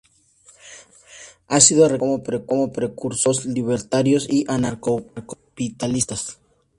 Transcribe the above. Ha sido reclamado como precursor por los libertarios y anarcocapitalistas.